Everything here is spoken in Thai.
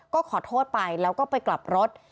ก็ขอโทษไปแล้วก็ไปกลับรถ